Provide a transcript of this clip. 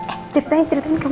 eh ceritain ceritain ke mama